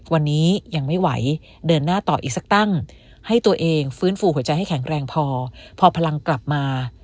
วันนี้ยังไม่ไหวเดินหน้าต่ออีกสักตั้งให้ตัวเองฟื้นฟูหัวใจให้แข็งแรงพอพอพลังกลับมา